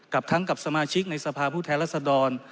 กับทั้งกับสมาชิกในสภาพผู้แทนรัศดร